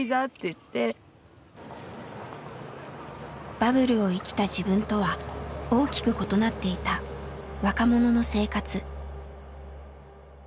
バブルを生きた自分とは大きく異なっていた若者の生活。